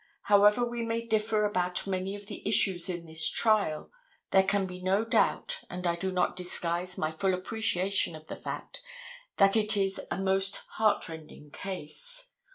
However we may differ about many of the issues in this trial, there can be no doubt, and I do not disguise my full appreciation of the fact, that it is a most heartrending case.